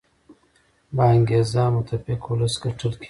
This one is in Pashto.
با انګیزه او متفق ولس ګټل کیږي.